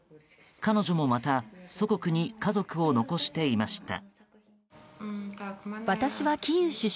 彼女もまた祖国に家族を残していました。